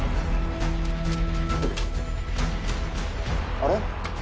あれ？